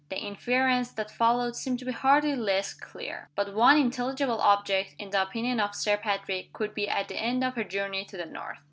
The inference that followed seemed to be hardly less clear. But one intelligible object, in the opinion of Sir Patrick, could be at the end of her journey to the north.